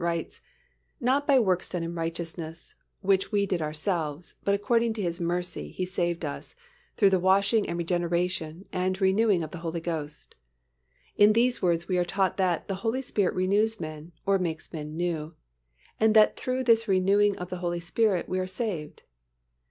V., writes, "Not by works done in righteousness, which we did ourselves, but according to His mercy He saved us, through the washing of regeneration and renewing of the Holy Ghost." In these words we are taught that the Holy Spirit renews men, or makes men new, and that through this renewing of the Holy Spirit, we are saved.